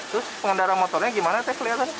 terus pengendara motornya gimana teh kelihatan